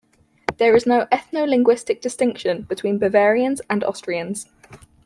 There is no ethno-linguistic distinction between Bavarians and Austrians.